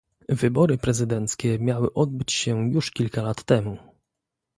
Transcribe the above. Wybory prezydenckie miały odbyć się już kilka lat temu